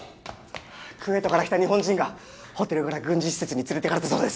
クウェートから来た日本人が軍事施設に連れて行かれたそうです。